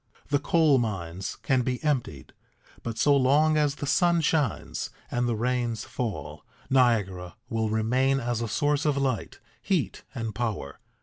The coal mines can be emptied, but so long as the sun shines and the rains fall, Niagara will remain as a source of light, heat, and power.